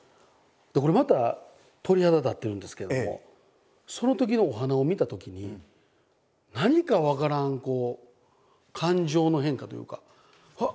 これまた鳥肌立ってるんですけどもそのときのお花を見たときに何か分からん感情の変化というかふわって何か。